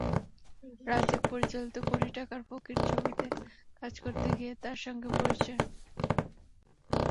রাজ্জাক পরিচালিত কোটি টাকার ফকির ছবিতে কাজ করতে গিয়ে তার সঙ্গে পরিচয়।